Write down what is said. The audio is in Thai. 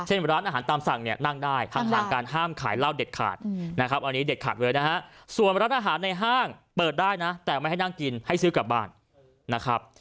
ส่วนร้านอาหารในห้างเปิดได้นะแต่ไม่ให้นั่งกินให้ซื้อกลับบ้านนะครับ